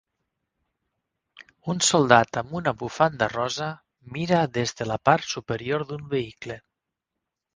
Un soldat amb una bufanda rosa mira des de la part superior d'un vehicle.